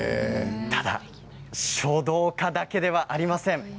ただ書道家だけではありません。